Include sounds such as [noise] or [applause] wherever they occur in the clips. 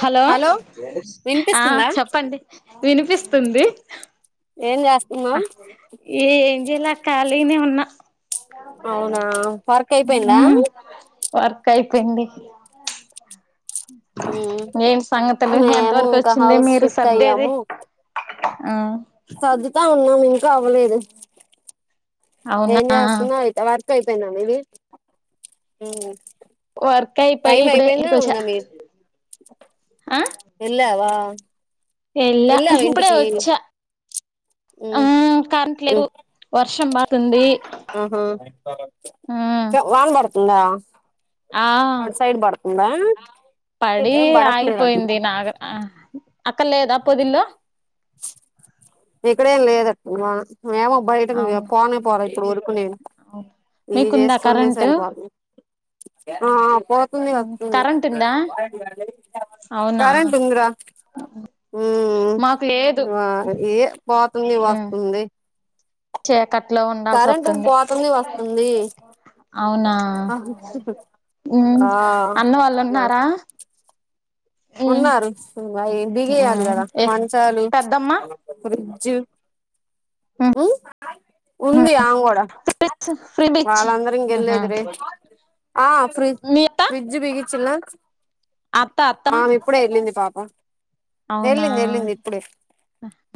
Hello ఆ వినిపిస్తుందా చెప్పండి వినిపిస్తుంది ఏం చేస్తున్నాం ఏ ఏం చేయాల ఖాళీనే ఉన్నా అవునా వర్క్ అయిపోయింద వర్క్ అయిపోయింది ఉమ్ ఏం సంగతులు ఎంత మేము వరకు ఇంకా వచ్చింది హౌస్ మీరు షిఫ్ట్ సర్దేది అయ్యాము మ్మ్ సర్దుతా ఉన్నాం ఇంకా అవ్వలేదు ఏం అవునా చేస్తున్నావ్ వర్క్ అయిపోయినా మీది మ్మ్ వర్క్ అయిపోయి టైం ఇప్పుడే అయిపోయిందా ఇంటికొచ్చా ఉందా మీరు వెళ్ళావా ఏళ్ల వెళ్ళావా ఇప్పుడే ఇంటికి వచ్చా ఆ ఉమ్ కరెంట్ లేదు వర్షం పడుతుంది మ్మ్ మ్మ్ హు వాన పడుతుందా ఆ అట్ సైడ్ పడు తుంద పడి ఆగిపోయింది నాగ అక్కడ లేదా పొదిల్లో ఇక్కడేం లేదట్ మేము బయట కి అవును పోనే పోరా ఇప్పుడు వరకు నేను అవును ఇది మీకుందా చేస్కోడమే కరెంటు సరిపోతుంది ఆ పో కుంది వత్తుంది కరెంట్ ఉందా అవునా కరెంట్ ఉంద్ రా ఊ మాకు లేదు వా ఏ పోతుంది వస్తుంది చీకట్లో ఉండాల్ కరెంట్ సొత్తుంది పోతుంది వస్తుంది అవునా ఆ ఉ ఆ అన్న వాళ్ళున్నారా ఉన్నారు అవి బిగియాలి కదా ఏ మంచాలు పెద్దమ్మ ఫ్రిడ్జ్ ఉ ఉంది ఆమ్ గుడా ఫ్రీ బిచ్ వాళ్లందరూ ఇంకెళ్ళేది రే ఆ ఫ్రీ మీ ఫ్రిజ్ బిగించిన అప్ప అత్తన ఉప్పుడే వెళ్ళింది పాపం వెళ్ళింది వెళ్ళింది ఇప్పుడే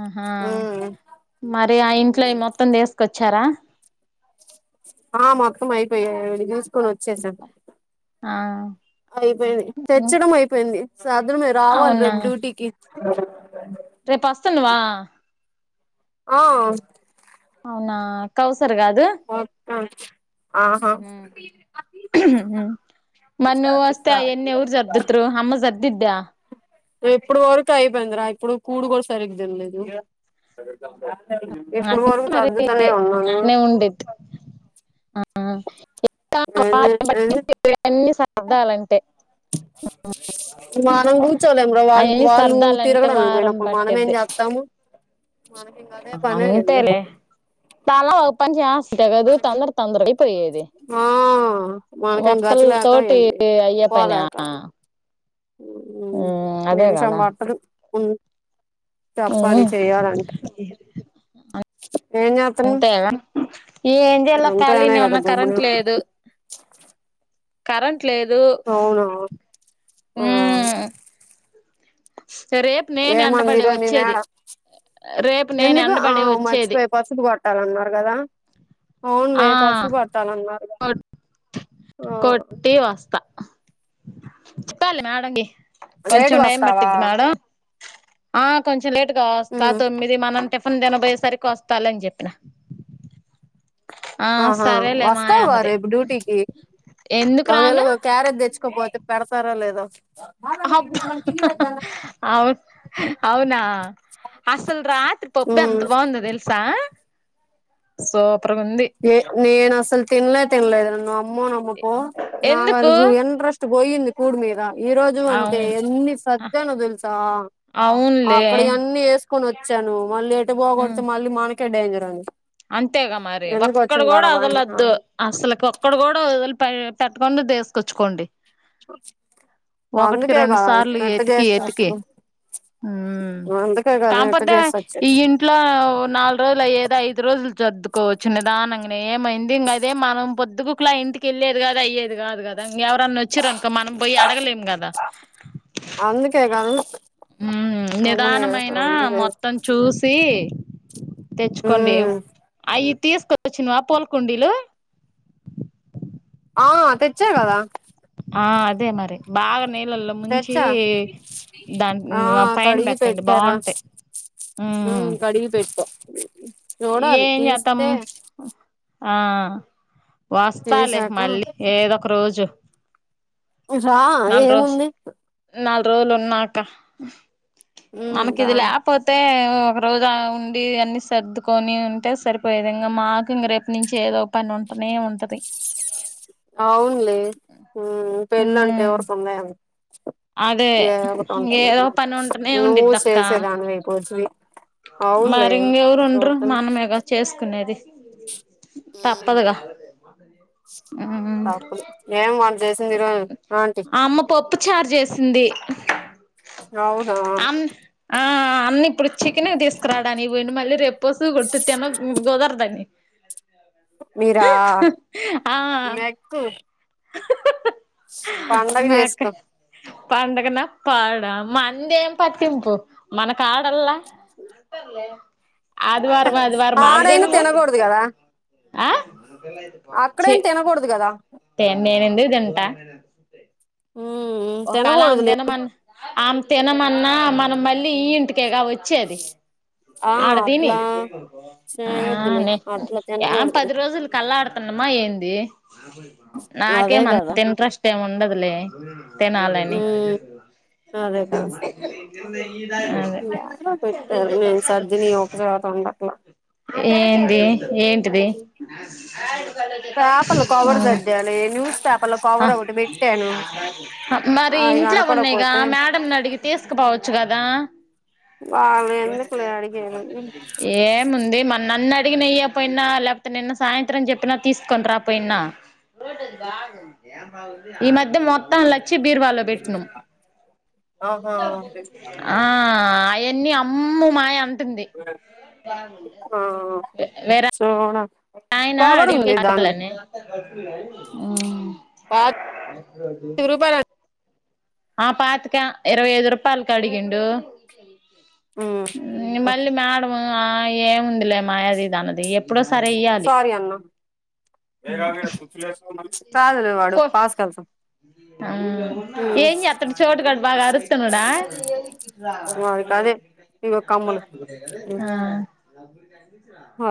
ఆహా ఉమ్ మరి ఆ ఇంట్లోవి మొత్తం తీస్కొచ్చారా ఆ మొత్తం అయిపోయాయి కొనోచ్చేసాం ఆ అయిపోయింది తెచ్చడం అయిపోయింది సదరమే రావాల్ అవునా రేపు డ్యూటీకి రేపొస్తున్నావా ఆ అవునా కౌసర్ కాదు మొత్తం ఆహా ఊ ఉ మరి నువ్వుస్తే అయన్నీ ఎవరు సర్ధుతురు అమ్మ సర్దుద్ద ఎప్పుడు వరకు అయిపోయిందిరా ఇప్పుడు కూడు కూడా సరిగ్గా తినలేదు అ ఇప్పుడు వరకు మరి సర్దుతనే ఉన్నాను అట్నే ఉండుద్ది ఆ ఇంకా ఏం వారం చేసేది పట్టిద్ది ఇవన్నీ సర్దాలంటే మనం కూర్చోలేము బ్రో వాల్ అవన్నీ వాళ్ళు సర్దాలంటే తిరగడానికి వారం పోయినప్పుడు మనమే పట్టిద్ది చేత్ తాము మనకింకా అదే పనా ఏంది అంతేలే తలా ఓ పన్ చేస్తే కదు తొందర తొందర అయిపోయేది ఆ మనకేం ఒక్కళ గతిలేక తోటి ఏంది అయ్యే పనా పోలేక ఊ ఉమ్ అదే నిమిషం కదా పట్టదు ఉ తప్పది ఉమ్ చేయాలంటే ఏం చేత అంతే కదా ఏం చేయాలో అంతేనే కాలినే కదా ఉన్నా గమ్మునే కరెంట్ ఉంది. లేదు కరెంట్ లేదు అవునా ఆ ఊ రేప్ నేన్ ఏమంది ఎండబడే ఈరోజు మీ వచ్చేది మేడం రేప్ నేన్ ఎందుకు ఆ ఎండబడే వచ్చేది మర్చిపోయి పసుపు కొట్టాలన్నారు కదా. అవున్ మే ఆ పసుపు కొట్టాలన్నారు ఆ ఏ వస్తా చెప్పాలే మేడమ్ కి కొంచెం లేటుగా టైం వస్తావా పట్టుద్ది మేడం ఆ కొంచెం లేటుగా వస్తా ఉమ్ తొమ్మిది మనం టిఫిన్ తినబోయే సరికి వస్తాలే అని చెప్పిన ఆ ఆహా సరేలే మాయ వస్తావా అన్నది రేపు డ్యూటీకి ఎందుకు ఒకవేళ రాను క్యారేజ్ తెచ్చుకోపోతే పెడతారో లేదో అవున్ అవునా అసల్ రాత్రి పప్పు ఉమ్ ఎంత బాందో తెల్సా సూపర్ గుంది ఏ నేనసల్ తిన్లే తినలేదు నువ్వు నమ్ము నమ్మపో నా ఎందుకు వరకు ఎన్ట్ర పోయింది కూడు మీద ఈరోజు అంతే అవును ఎన్ని సర్ద్యాను తెల్సా అవునులే అక్కడి యన్ని ఏస్ కొనుక్కొని వచ్చాను మళ్లీ ఎటు పోగొడితే మళ్లీ మనకి డేంజర్ అది అంతేగా మరి ఒక్కటి కూడా అని వదలద్దు అసలు ఒక్కటి కూడా వదిలిపెట్టకుండా తీసుకొచ్చుకొండి చాన్సిక్ ఒకటికి రెండుసార్లు ఎతికి ఎతికి అందుకే కదా ఎట్ట కాకపోతే చేసి ఈ వచ్చేది ఇంట్లో ఓ నాలుగు రోజులు అయ్యేది పద్ది రోజులు సర్దుకోవచ్చు నిదానంగానే ఏమైంది ఇంకా అదే మనం పొద్దుబూకుల ఇంటికి వెళ్ళేది కదా కదా ఎవరైనా వచ్చారా అనుకో మనం పోయి అడగలేము కదా అందుకే కదు ఉ నిదానమైన మొత్తం చూసి తెచ్చుకోండి ఉమ్ అవి తీసుకు చ్చినవా పోల్కుండీలు ఆ తెచ్చా కదా ఆ అదే మరి బాగా నీళ్ళల్లో ముంచి తెచ్చా దాని ఆ పైన కడిగి పెట్టండి పెట్టారా బాగుంటాయి అడిగి పెట్టు ఏం చేస్తాం ఆ వస్తాలి తీసాక మళ్ళీ ఏదో ఒక రోజు రా నాలుగు రోజు ఏముంది నాలుగు రోజులు ఉన్నాక ఉమ్ మనకి రా ఇది లేప్ పోతే ఒక రోజు ఉండి అన్నీ సర్దుకొని ఉంటే సరిపోయే విది ఇంగా మాకు ఇంక రేపు నుంచి ఏదో పని ఉంటనే ఉంటది అవునులే పెళ్ళంటే ఉమ్ ఎవరికు ఉన్నాయని అదే ఏదో ఒకటి ఉంటది ఇంగేదో పని ఉంటనే నువ్వు ఉండిద్దక్క చేసే దానివి భోజ అవునులే మరి ఇంకెవరు ఉండరు మనమేగా చేసుకునేది తప్పదుగా ఉమ్ తప్పదు ఏం వంట చేసింది ఈరోజు ఏంటి ఆ అమ్మ పప్పు చారు చేసింది అవునా ఆ ఆ అన్న ఇప్పుడుచ్చికెన తీసుకురాడానికి పోయిండు మళ్ళీ రేపు పశవు కొతుతిమ గోదార్ దాన్నిని మీరా ఆ మెక్కు పండగ మేక చేసుకో పండుగ నా పాడా మండే పట్టింపు మనకాడల్లా ఆదివారం ఆదివారం ఆడే ఆడైనా తినకూడదు చేసుకో ఆ అక్కడేం తినకూడదు కదా తే నేను ఎందుకు తింటా ఉమ్ ఒకళ ఆమె తినకూడదులే తినమన్నా ఆమె తినమన్నా మనం మళ్ళీ ఈ ఇంటికేగా వచ్చేది ఆ ఆడదిని అట్లా చేయొద్దులే ఆ అట్లా ఏం తినకూడదులే పది రోజులు కళఆడుతున్నామా ఏంది అదే కదా నాకేమంత ఇంట్రెస్ట్ ఏమి ఉండదులే తినాలని ఉమ్ అదే కదా యాడో అదే పెట్టారు నేను సర్దిని ఒక చోట ఉండట్లా ఏంది ఏంటిది పేపర్లో కవర్ సర్దాను న్యూస్ పేపర్లో కవర్ ఒకటి పెట్టాను మరి అది ఇంట్లో ఉన్నాయిగా కనపడపోతే మేడంని అడిగి తీసుకుపోవచ్చు కదా ఓరిని ఏముంది మన్న అన్నట్టు అడిగ నెయ్య పోయినా లేకపోతే నిన్న సాయంత్రం చెప్పినా తీసుకొని రాపోయినా ఈ మధ్య మొత్తం లక్ష బీర్వాలో పెట్టినం ఆ అయన్నీ అమ్ము మాయ అంటుంది ఆ సోనా అనా అ [unintelligible] ప [unintelligible] ఆ పాతిక ఇరవై ఐదు రూపాయలుకి అడి గిండు మళ్ళీ మేడము ఆ ఏముంది లేమ మాయాదిది అన్నది ఎప్పుడో సరే ఇయ్యాలి కాదు వాడు పో పాస్ కసాం [unintelligible] ఆ ఏం చేతడు చోటుగాడ్ బాగా అరుతునుడా వాడికి అదే ఇగో కమ్మలు ఆ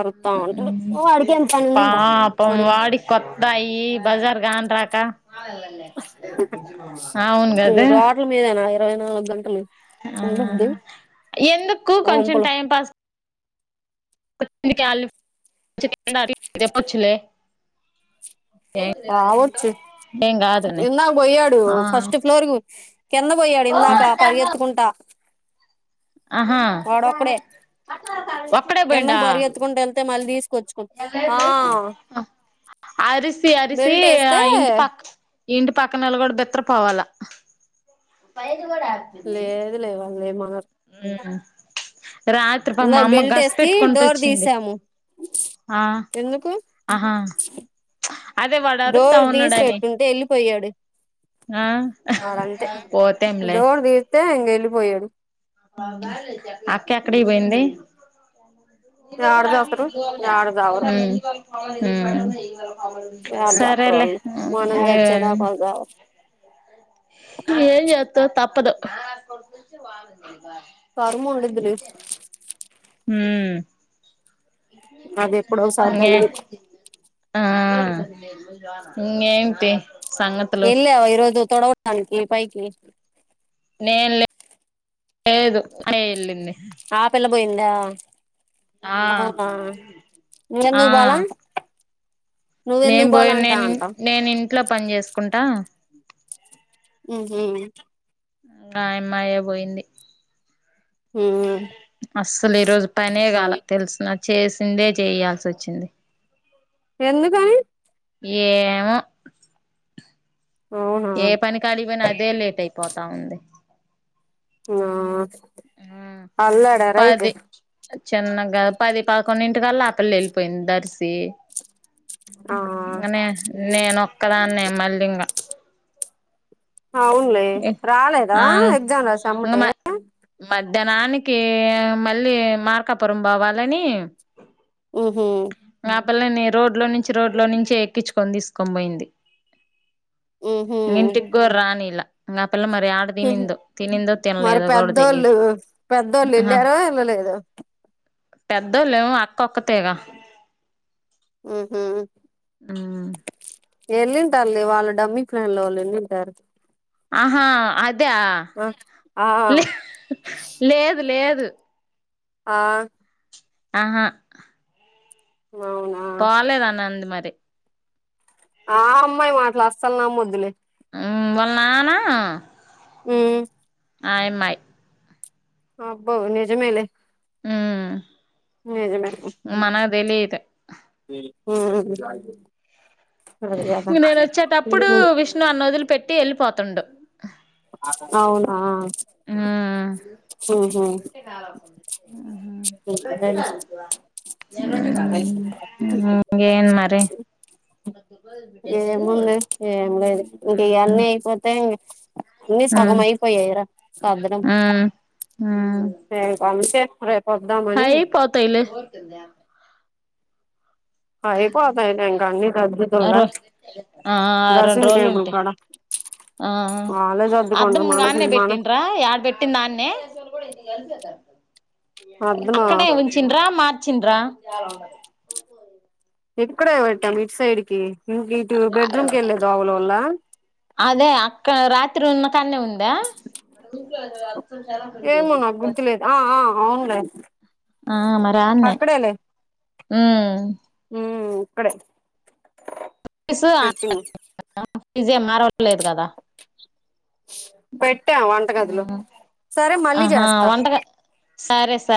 అరుతా ఉంటాడు ఉం వాడికి ఏం పని ఉంది ఇంకా పాపం వాడికి కొత్తయి బజార్ కానరాక అవును ఈ కదు రోడ్ల మీదేనా ఇరవై నాలుగు గంటలు ఆ ఉండొద్దు ఎందుకు కొంచెం వంపలు టైం పాస్ [unintelligible] చె చెప్పొచ్చులే పావచ్చు ఏం కాదని ఇందాక పోయాడు ఆ ఫస్ట్ ఫ్లోర్ కింద పోయాడు ఇందాక పరిగెత్తుకుంటా ఆహా వాడోకడే ఒక్కడే పోయిండా కిందకు పరిగెత్తుకుంట తే మళ్ళీ తీసుకొచ్చుకు ఆ అరిసి అరిసి బెల్ట్ వేస్తే ఆ ఇంటి పక్క ఇంటి పక్కనోళ్ళు కూడా బిత్తర్ పోవాలా లేదు లే వాళ్ళు ఏం అనరు ఉం రాత్రిపాపం మా ఇందాక అమ్మ బెల్ట్ గస వేసి పెట్టుకుంట డోర్ వచ్చింది తీసాము ఆ ఎందుకు ఆహా అదే వాడు అరుతా డోర్ తీసి ఉన్నాడని పెట్టుంటే వెళ్ళిపోయాడు ఆ పోతంలే తే ఇంగెల్లి పోయడు అక్క ఎక్కడికిపోయింది యాడ చస్తారు యాడ ఉం చావరు ఉం యాడ చస్తారు వాళ్ళు సరేలేే మనం చచ్చేదాకా వాళ్ళు చావరు ఏం చేత్తం తప్పదు కర్మ ఉండిద్దిలే ఉం అది ఎప్పుడో ఒకసారి ఇంగే తగిలి ఆ ఇంగెంటి ఏళ్ళవా ఈరోజు తుడవడానికి పైకి నే లేదు తనే [unintelligible] ఎల్లింది ఆ పిల్ల పోయిందా ఆ అవునా ఆ నువ్వెందుకు పోలా నేను నువ్వెందుకు పోయి పోలా అంటా నేను నేను ఇంట్లో పని చేసుకుంటా హ్మ్ హు ఇంక ఆ అమ్మాయే పోయింది ఉమ్ అస్సలు ఈరోజు పనే కాల తెలుసునా చేసిందే చేయాల్సి వచ్చింది ఎందుకని ఏవో అవునా ఏ పని కాడికి పోయినా అదే లేట్ అయిపోతా ఉంది ఆ అల్లాడారా అయితే పది చిన్నగా పది పదకొండు ఇంటికల్లా ఆపిల్ల వెళ్ళిపోయింది దర్సి ఆ నే నేనొక్కదాన్నే మళ్ళీ ఇంకా అవునులే రాలేదా ఆ ఎగ్జామ్ రాసి ఇంగ అమ్మటే మ మధ్యాహ్నానికి మళ్ళీ మార్కాపురం పోవాలని హు హు ఆ పిల్లని రోడ్ లో నుంచి రోడ్ లో నుంచి ఎక్కించుకొని తీసుకొని పోయింది ఉహు ఇంటిగూడ రాణీలా ఆ పిల్ల మరి యాడ తినిందొ తినిందో మరి తినలేదు కూడ తెలియదు పెద్దోళ్ళు పెద్దోళ్ళు అహ ఎళ్ళారో ఎళ్ళలేదో పెద్దోళ్ళు ఏమో అక్కొక్కతేగా మ్మ్ హు హుమ్ ఎళ్ళింటారులే వాళ్ళు డమ్మి ఫ్లాన్ లో వాళ్ళు వెళ్ళింటారు ఆహా అద ఆ ఆ లేదు లేదు ఆ ఆహా అవ్ను పోలేదన్న అంది మరి ఆ అమ్మాయి మాటలు అసలు నమ్మొదులే హ్మ్ వాళ్ల నాన్నా హ్మ్ ఆయమ్మాయ్ అబ్బో నిజమేలే హ్మ్ నిజమే మనకి తెలియదు హ్మ్ అది గదా హ్మ్ హు నన్నోదిలి పెట్టి వెళ్ళిపోతుండు అవునా హ్మ్ ఉహు హ్మ్ హు ఇంకే మరి ఏముంది ఏ ఎం లేదు ఇంక మ్మ్ అన్నీ అయిపోతే [unintelligible] అన్ని సగం అయిపోయైరా సద్దడం హ్మ్ ఇంక్ అంతే రేప్ అయిపోతాయిలే అయిపోతాయిలే ఇంకా అన్ని సర్దుతుల్లా ఆరో ఆ రెండు డ్రెస్సింగ్ రోజులు టేబుల్ ఉంటే కాడ ఆ వాళ్ళే అద్దం సర్దుకుంటారు ఇంగ మనకి అన్నే మన పెట్టన్రా యాడ్ పెట్ పెట్టిందా ఆన్నే అద్దమా అక్కడే ఉంచిండ్రా మా చిండ్రా ఇక్కడే పెట్టాం ఇటు సైడ్ కి ఇంక ఇటు బెడ్రూమ్ కి వెళ్లే దోవలో వుల్లా అదే అక్క రాత్రి ఉన్న కాన్నే ఉందా ఏమో నాకు గుర్తులేదు ఆ ఆ అవునులే ఆ మర్రాన్నే మ్మ్ మ్మ్ ఇక్కడే ఫ్రీజ్ పెట్టింది [inaudible] ఫ్రీజ్ ఏం మారవలేదు కదా పెట్టా వంటగదిలో సరే మళ్ళీ ఆహా చేస్తా వంటగ సరే స